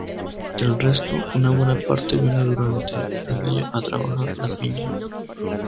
Del resto, una buena parte viene durante el día a trabajar las viñas.